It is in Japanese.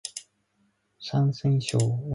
山西省の省都は太原である